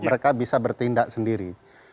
mereka bisa bertindak sendiri